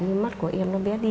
nhưng mắt của em nó bé đi